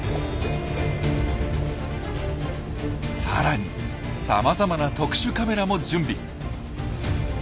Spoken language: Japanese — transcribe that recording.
さらにさまざまな特殊カメラも準備。